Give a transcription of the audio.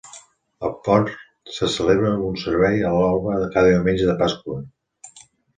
Al port se celebra un servei a l'alba cada Diumenge de Pasqua.